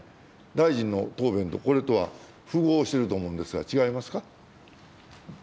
大臣の答弁とこれとは符合してると思うんですが、違いますか。